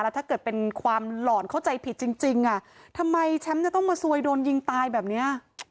ถ้าเกิดเป็นความหล่อนเข้าใจผิดจริงอ่ะทำไมแชมป์จะต้องมาซวยโดนยิงตายแบบนี้